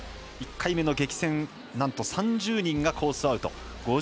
１回目の激戦、なんと３０人がコースアウト。